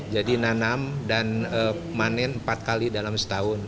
jadi nanam dan panen empat kali dalam setahun